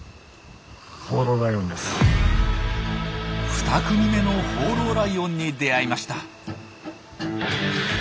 ２組目の放浪ライオンに出会いました。